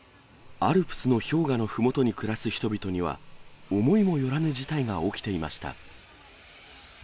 アルプスの氷河のふもとに暮らす人々には、思いもよらぬ事態が起きていました。